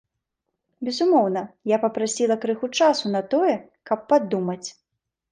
Безумоўна, я папрасіла крыху часу на тое, каб падумаць.